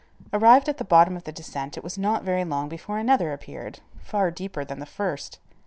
Arrived at the bottom of the descent it was not very long before another appeared, far deeper than the first.